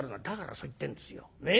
「だからそう言ってんですよ。